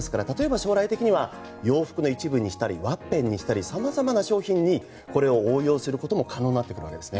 将来的には洋服の一部やワッペンにしたりさまざまな商品にこれを応用することも可能になってくるわけですね。